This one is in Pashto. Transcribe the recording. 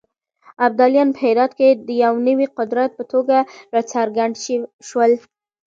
ابدالیان په هرات کې د يو نوي قدرت په توګه راڅرګند شول.